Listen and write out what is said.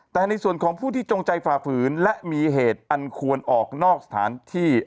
แต่ในส่วนของผู้ที่จงใจฝ่าฝืนและมีเหตุอันควรออกนอกสถานที่